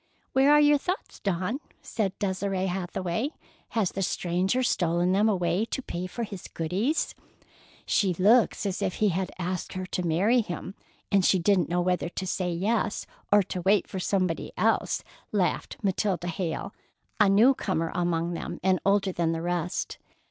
"Where are your thoughts, Dawn?" said Desire Hathaway. "Has the stranger stolen them away to pay for his goodies?" "She looks as if he had asked her to marry him, and she didn't know whether to say yes or to wait for somebody else," laughed Matilda Hale, a new comer among them, and older than the rest.